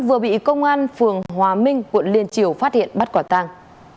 vừa bị công an phường hòa minh quận liên triều phát hiện bắt quả tang